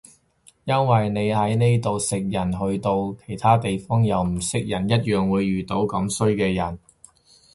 因為你喺呢度食人去到其他地方又唔識人一樣會遇到咁衰嘅人